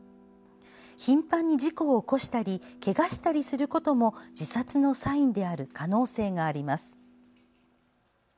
頻繁に事故を起こしたりけがしたりすることも自殺のサインである可能性があります。